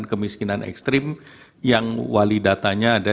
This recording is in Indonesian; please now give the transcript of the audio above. kemiskinan ekstrim yang wali datanya ada